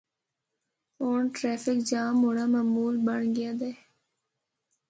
ہور traffic jam ہونڑا معمول بنڑ گیا دا ہے۔